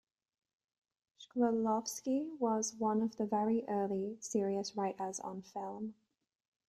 Shklovsky was one of the very early serious writers on film.